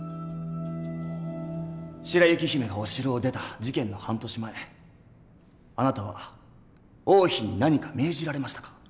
白雪姫がお城を出た事件の半年前あなたは王妃に何か命じられましたか？